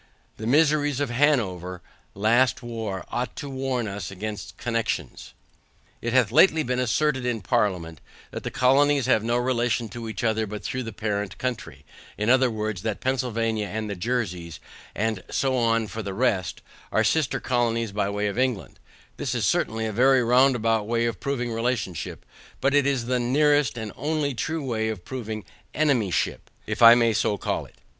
The miseries of Hanover last war ought to warn us against connexions. It hath lately been asserted in parliament, that the colonies have no relation to each other but through the parent country, I. E. that Pennsylvania and the Jerseys, and so on for the rest, are sister colonies by the way of England; this is certainly a very round about way of proving relationship, but it is the nearest and only true way of proving enemyship, if I may so call it.